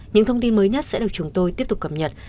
những thông tin mới nhất sẽ được chúng tôi tiếp tục cập nhật